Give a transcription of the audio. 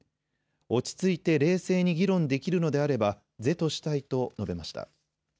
落ち着いて冷静に議論できるのであれば是としたいと述べました。